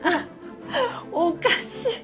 おかしい！